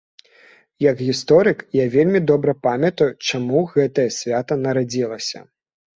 Як гісторык я вельмі добра памятаю, чаму гэтае свята нарадзілася.